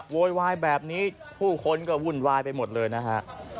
โวยวายแบบนี้ผู้คนก็วุ่นวายไปหมดเลยนะฮะ